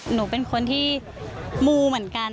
หนูเป็นคนที่มูเหมือนกัน